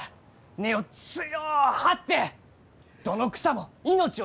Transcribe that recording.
根を強う張ってどの草も命をつないでいく！